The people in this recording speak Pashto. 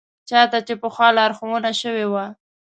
چا ته چې پخوا لارښوونه شوې وه.